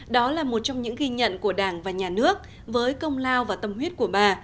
đó là một trong những ghi nhận của đảng và nhà nước với công lao và tâm huyết của bà